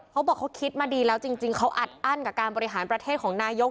เขาบอกเขาคิดมาดีแล้วจริงเขาอัดอั้นกับการบริหารประเทศของนายก